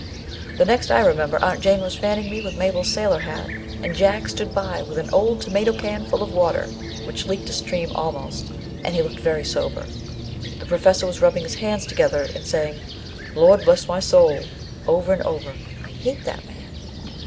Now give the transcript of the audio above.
The next I remember Aunt Jane was fanning me with Mabel's sailor hat, and Jack stood by with an old tomato can full of water which leaked a stream almost, and he looking very sober. The Pro fessor was rubbing his hands together and saying, " Lord bless my soul !" over and over. I hate that man